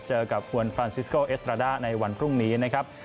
เจอกับฮวนฟรานซิสโกเอสตราด้าในวันพรุ่งนี้นะครับ